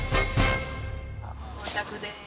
到着です。